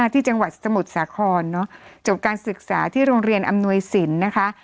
ที่จังหวัดสมุทรสาครจบการศึกษาที่โรงเรียนอำนวยสินนะคะ